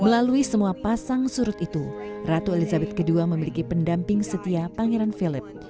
melalui semua pasang surut itu ratu elizabeth ii memiliki pendamping setia pangeran philip